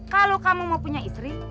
kalau kamu mau punya istri